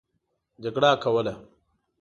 جګړه کوله.